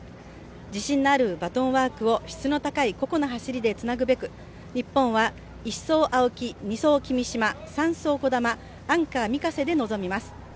自信のあるバトンワークを質の高い個々の走りでつなぐべく日本は１走、青木、２走、３走、兒玉、アンカー、御家瀬で臨みます。